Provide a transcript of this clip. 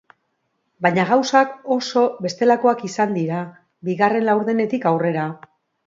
Baina gauzak oso bestelakoak izan dira bigarren laurdenetik aurrera.